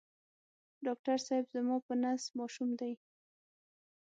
ډاکټر صېب زما په نس ماشوم دی